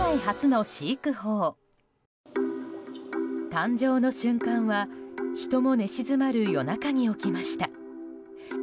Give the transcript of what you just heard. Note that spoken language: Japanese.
誕生の瞬間は人も寝静まる夜中に起きました。